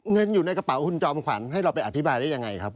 เงินอยู่ในกระเป๋าคุณจอมขวัญให้เราไปอธิบายได้ยังไงครับ